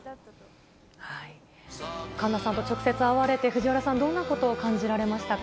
栞奈さんと直接会われて、藤原さん、どんなことを感じられましたか。